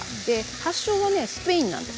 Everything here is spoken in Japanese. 発祥はスペインなんです。